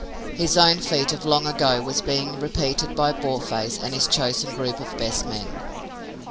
His own feat of long ago was being repeated by Boarface and his chosen group of best men!